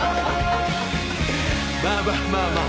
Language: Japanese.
まあまあまあまあ。